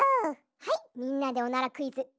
はいみんなでおならクイズ！